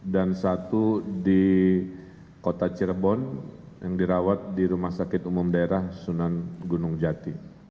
dan satu di kota cirebon yang dirawat di rumah sakit umum daerah sunan gunung jati